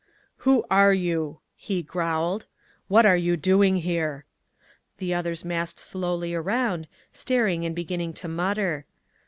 "Who are you?" he growled. "What are you doing here?" The others massed slowly around, staring and beginning to mutter.